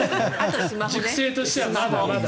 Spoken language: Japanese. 塾生としてはまだまだ。